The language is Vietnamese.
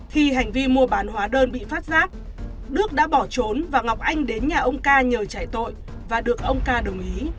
khi hành vi mua bán hóa đơn bị phát giác đức đã bỏ trốn và ngọc anh đến nhà ông ca nhờ chạy tội và được ông ca đồng ý